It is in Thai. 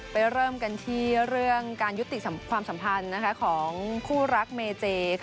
เริ่มกันที่เรื่องการยุติความสัมพันธ์ของคู่รักเมเจ